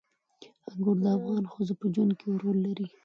انګور د افغان ښځو په ژوند کې یو رول لري.